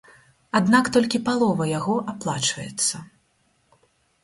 Аднак толькі палова яго аплачваецца.